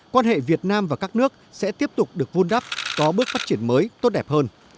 quan hệ việt nam và các nước sẽ tiếp tục được vun đắp có bước phát triển mới tốt đẹp hơn